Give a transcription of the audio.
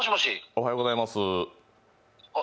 おはようございます。